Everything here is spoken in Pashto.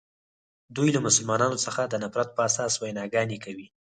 دوی له مسلمانانو څخه د نفرت په اساس ویناګانې کوي.